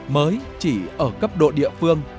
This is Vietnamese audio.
mới chỉ ở cấp độ địa phương